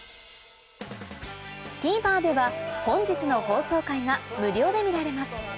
ＴＶｅｒでは本日の放送回が無料で見られます